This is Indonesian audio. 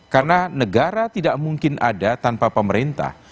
karena negara tidak mungkin ada tanpa pemerintah